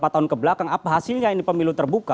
tentang apa hasilnya ini pemilu terbuka